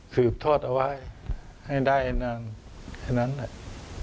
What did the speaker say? สืบทอดเอาไว้ให้ได้นานแค่นั้นแหละ